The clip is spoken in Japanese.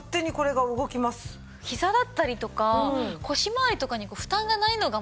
ひざだったりとか腰まわりとかに負担がないのがまた。